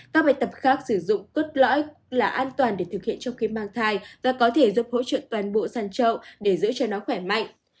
các bài tập khác sử dụng cốt lõi là an toàn để thực hiện trong khi mang thai và có thể giúp hỗ trợ toàn bộ sàn trậu để giữ cho nó khỏe mạnh